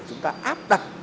chúng ta áp đặt